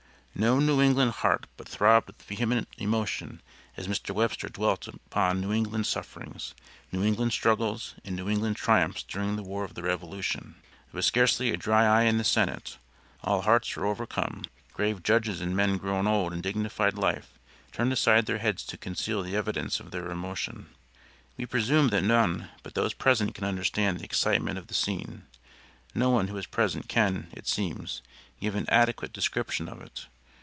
No New England heart but throbbed with vehement emotion as Mr. Webster dwelt upon New England sufferings, New England struggles, and New England triumphs during the war of the Revolution. There was scarcely a dry eye in the Senate; all hearts were overcome; grave judges and men grown old in dignified life turned aside their heads to conceal the evidence of their emotion. We presume that none but those present can understand the excitement of the scene. No one who was present can, it seems, give an adequate description of it.